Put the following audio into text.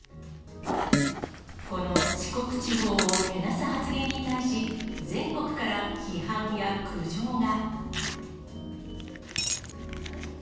この四国地方をけなす発言に対し、全国から批判や苦情が。